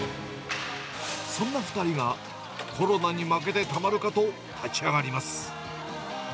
そんな２人が、コロナに負けてたまるかと立ち上がります。